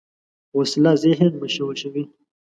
وسله ذهن مشوشوي